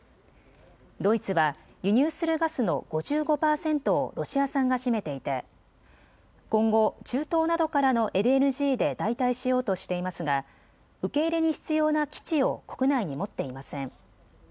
ドイツは輸入するガスの５５％をロシア産が占めていて今後、中東などからのＬＮＧで代替しようとしていますが受け入れに必要な基地を国内に持っていません。